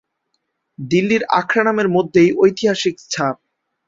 দিল্লির আখড়া নামের মধ্যেই ঐতিহাসিক ছাপ।